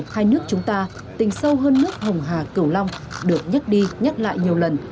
hai nước chúng ta tình sâu hơn nước hồng hà cầu long được nhắc đi nhắc lại nhiều lần